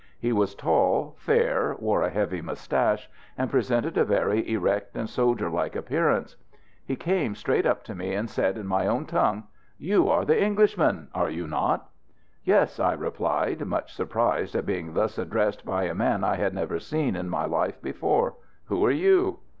He was tall, fair, wore a heavy moustache, and presented a very erect and soldier like appearance. He came straight up to me, and said in my own tongue: "You are the Englishman, are you not?" "Yes," I replied, much surprised at being thus addressed by a man I had never seen in my life before. "Who are you?"